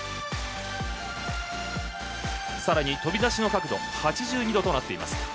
さらにとび出しの角度８２度となっています。